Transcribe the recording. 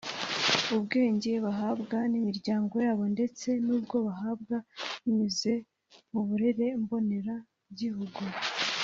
ubwenge bahabwa n’imiryango yabo ndetse n’ubwo bahabwa binyuze mu burere mboneragihugu